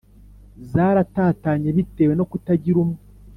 zaratatanye bitewe no kutagira umwe.